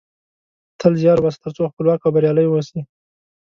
تل زیار وباسه ترڅو خپلواک او بریالۍ اوسی